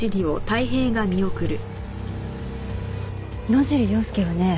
野尻要介はね